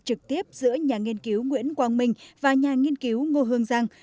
trực tiếp giữa nhà nghiên cứu nguyễn quang minh và nhà nghiên cứu ngô hương giang